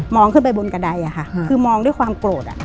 มองขึ้นไปบนกระดายคือมองด้วยความโกรธ